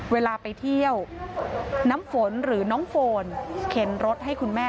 เวลาไปเที่ยวน้ำฝนหรือน้องโฟนเข็นรถให้คุณแม่